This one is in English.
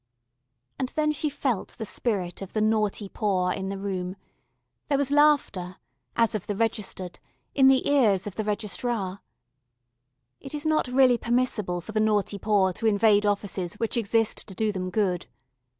And then she felt the spirit of the Naughty Poor in the room; there was laughter, as of the registered, in the ears of the Registrar. It is not really permissible for the Naughty Poor to invade offices which exist to do them good.